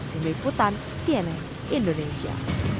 dibiputan siene indonesia